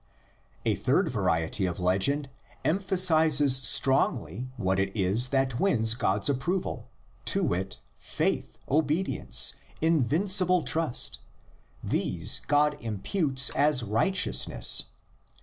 A third variety of legend emphasises strongly what it is that wins God's approval, to wit, faith, obedience, invincible trust, — these God imputes as righteousness.